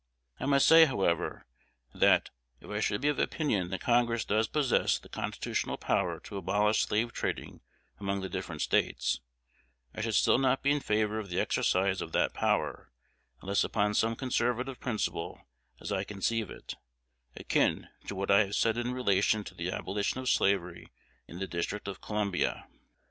I must say, however, that, if I should be of opinion that Congress does possess the constitutional power to abolish slave trading among the different States, I should still not be in favor of the exercise of that power unless upon some conservative principle as I conceive it, akin to what I have said in relation to the abolition of slavery in the District of Columbia.